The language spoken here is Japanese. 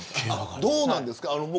どうなんですか。